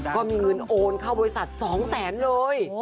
ก็มีเงินโอนเข้าบริษัท๒แสนเลย